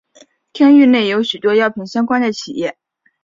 町域内有许多药品相关的企业。